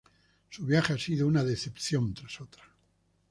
Su viaje ha sido una decepción tras otra.